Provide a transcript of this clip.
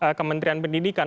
maka kementerian pendidikan